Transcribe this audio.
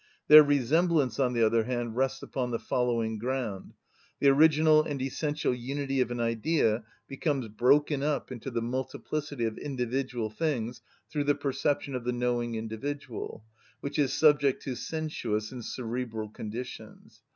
Their resemblance, on the other hand, rests upon the following ground: The original and essential unity of an Idea becomes broken up into the multiplicity of individual things through the perception of the knowing individual, which is subject to sensuous and cerebral conditions.